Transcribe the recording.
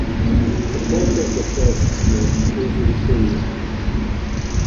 The cause of the crash was engine failure.